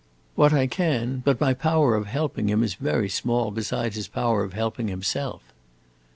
"What I can. But my power of helping him is very small beside his power of helping himself."